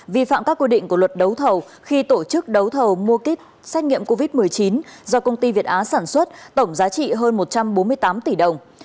vi phạm các quy định của luật đấu thầu khi tổ chức đấu thầu mua kit xét nghiệm covid một mươi chín do công ty việt á sản xuất tổng giá trị hơn một trăm bốn mươi tám tỷ đồng